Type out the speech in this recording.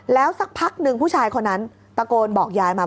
แล้วสักพักหนึ่งผู้ชายคนนั้นตะโกนบอกยายมา